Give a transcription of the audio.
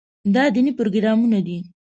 دا دیني پروګرامونه دي.